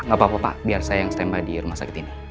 gapapa pak biar saya yang setembah di rumah sakit ini